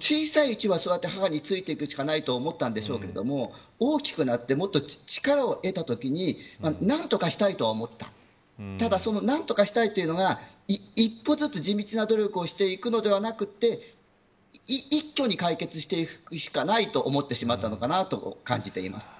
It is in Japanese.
小さいうちは、そうやって母についていくしかないと思ったんでしょうけども大きくなってもっと力を得たときに何とかしたいとは思ったただその何とかしたいというのが一歩ずつ地道な努力をしていくのではなくて一挙に解決していくしかないと思ってしまったのかなと感じています。